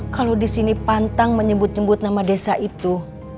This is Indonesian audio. kalau disini pantang menyebut nyebut nama desa itu